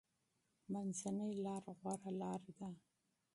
منځنۍ لاره غوره لاره ده.